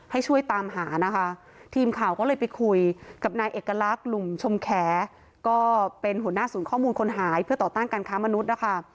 ให้ช่วยตามหานะคะทีมข่าวก็เลยไปคุยกับนายเอกลักษณ์หลุมชมแขก็เป็นหัวหน้าศูนย์ข้อมูลคนหายเพื่อต่อต้านการค้ามนุษย์นะคะ